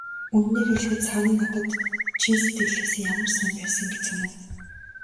Үнэнийг хэлэхэд, Саран надад чин сэтгэлээсээ ямар сайн байсан гэж санана.